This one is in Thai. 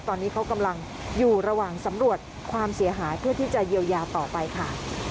ตอนนี้เขากำลังอยู่ระหว่างสำรวจความเสียหายเพื่อที่จะเยียวยาต่อไปค่ะ